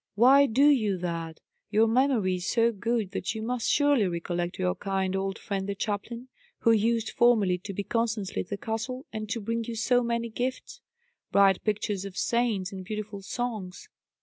Why do you that? Your memory is so good, that you must surely recollect your kind old friend the chaplain, who used formerly to be constantly at the castle, and to bring you so many gifts bright pictures of saints, and beautiful songs?"